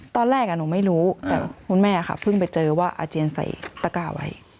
ตอนแรกหนูไม่รู้แต่คุณแม่ค่ะเพิ่งไปเจอว่าอาเจียนใส่ตะกาไว้